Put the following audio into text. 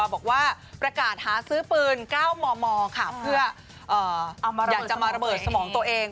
บอกว่าประกาศหาซื้อปืนเก้าหมอมอค่ะเพื่อเอ่อเอามาระเบิดสมองตัวเอง